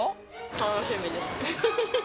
楽しみです。